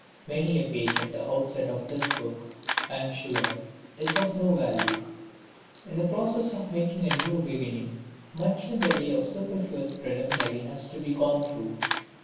Many a page at the outset of this Book, I am sure, is of no value. In the process of making a new beginning much in the way of superfluous preliminary has to be gone through.